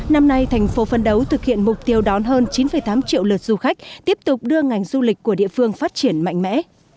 năm nay thành phố phân đấu thực hiện mục tiêu đón hơn chín tám triệu lượt du khách tiếp tục đưa ngành du lịch của địa phương phát triển mạnh mẽ